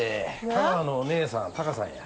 香川のお姉さんタカさんや。